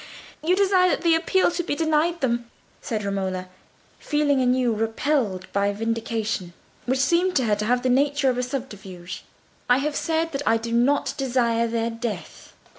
You desire that the Appeal should be denied them?" said Romola, feeling anew repelled by a vindication which seemed to her to have the nature of a subterfuge. "I have said that I do not desire their death."